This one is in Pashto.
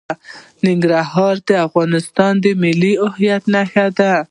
ننګرهار د افغانستان د ملي هویت نښه ده.